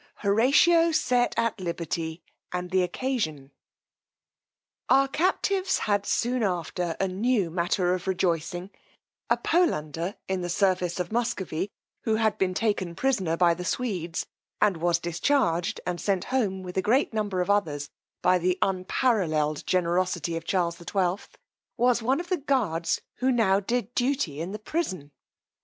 Horatio set at liberty, and the occasion_. Our captives had soon after a new matter of rejoicing: a Polander in the service of Muscovy, who had been taken prisoner by the Swedes, and was discharged and sent home, with a great number of others, by the unparallell'd generosity of Charles XII. was one of the guards who now did duty in the prison.